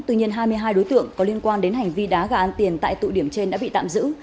tuy nhiên hai mươi hai đối tượng có liên quan đến hành vi đá gà ăn tiền tại tụ điểm trên đã bị tạm giữ